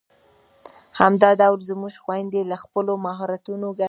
همدا ډول زموږ خويندې له خپلو مهارتونو ګټه اخیستلای شي.